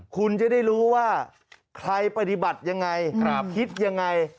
คุณจะได้รู้ว่าใครปฏิบัติยังไงคิดยังไง